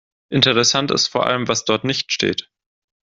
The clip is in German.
Interessant ist vor allem, was dort nicht steht.